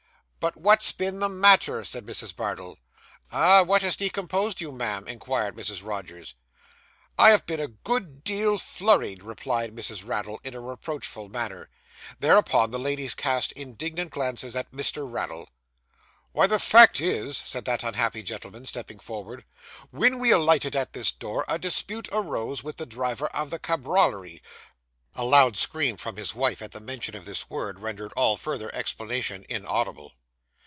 'But what's been the matter?' said Mrs. Bardell. 'Ah, what has decomposed you, ma'am?' inquired Mrs. Rogers. 'I have been a good deal flurried,' replied Mrs. Raddle, in a reproachful manner. Thereupon the ladies cast indignant glances at Mr. Raddle. 'Why, the fact is,' said that unhappy gentleman, stepping forward, 'when we alighted at this door, a dispute arose with the driver of the cabrioily ' A loud scream from his wife, at the mention of this word, rendered all further explanation inaudible.